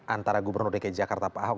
antara gubernur dki jakarta pak ahok